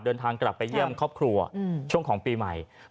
เดินทางกลับไปเยี่ยมครอบครัวช่วงของปีใหม่